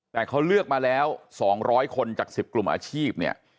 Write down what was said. แต่เขาเลือกมาแล้ว๒๐๐คนจาก๑๐กลุ่มอาชีพเนี่ย